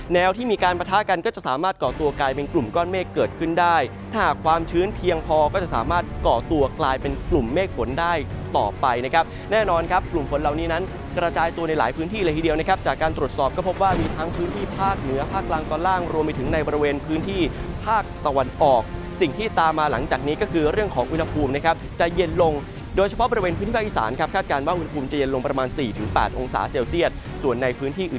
แนวที่มีการปะทะกันก็จะสามารถก่อตัวกลายเป็นกลุ่มก้อนเมฆเกิดขึ้นได้ถ้าหากความชื้นเพียงพอก็จะสามารถก่อตัวกลายเป็นกลุ่มเมฆฝนได้ต่อไปนะครับแน่นอนครับกลุ่มฝนเหล่านี้นั้นกระจายตัวในหลายพื้นที่เลยทีเดียวนะครับจากการตรวจสอบก็พบว่ามีทั้งพื้นที่ภาคเหนือภาคกลางตอนล่างรวมไป